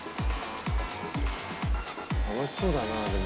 美味しそうだなでも。